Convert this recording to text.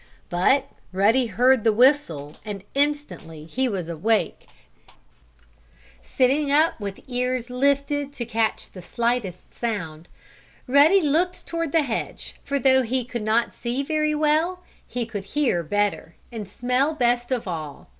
But Ruddy heard the whistle, and instantly he was awake, sitting up with ears lifted to catch the slightest sound. Ruddy looked toward the hedge, for though he could not see very well he could hear better, and smell best of all.